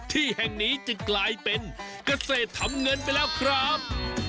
ที่แห่งนี้จึงกลายเป็นเกษตรทำเงินไปแล้วครับ